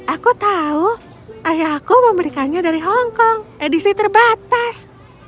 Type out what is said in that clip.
aku tahu ayahku memberikannya dari hongkong edisi terbatas